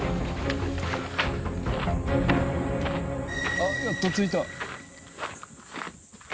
あっやっと着いた。